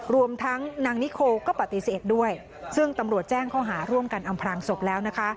รวมทั้งนางนิโคก็ปฏิเสธด้วยซึ่งตำรวจแจ้งข้อหาร่วมกันอำพลางศพแล้วนะคะ